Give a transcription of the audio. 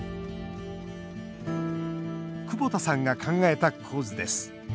久保田さんが考えた構図です。